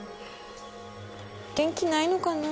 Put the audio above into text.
元気ないのかな？